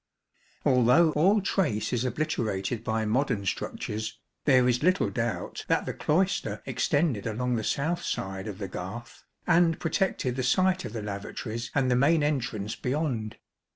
Although all trace is obliterated by modern structures, there is little doubt that the cloister extended along the south side of the garth, and protected the site of the lavatories and the main entrance beyond.